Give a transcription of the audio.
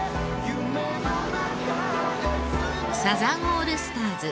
サザンオールスターズ